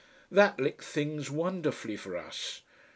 That lit things wonderfully for us.